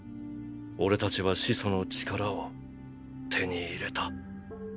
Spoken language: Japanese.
俺たちは始祖の力を手に入れた。